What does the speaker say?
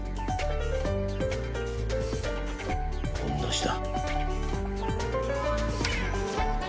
同じだ。